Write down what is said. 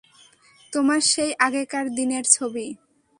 তোমার সেই আগেকার দিনের ছবি।